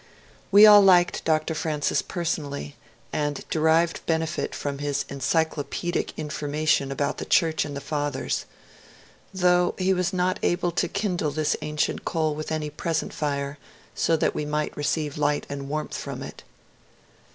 We all liked Dr. Francis personally, and de rived benefit from his encyclopaedic information about the Church and the Fathers, though he was not able to kindle this ancient coal with any present fire, so that we might receive light and warmth from it.